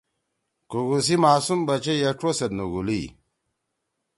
کُگُو سی معصوم بچئ اے ڇو سیت نُگولیی۔